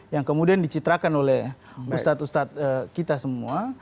yang kemudian dicitrakan oleh ustadz ustadz kita semua